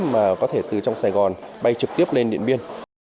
mà có thể từ trong sài gòn bay trực tiếp lên điện biên